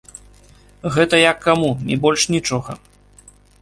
Гэта як каму, і больш нічога.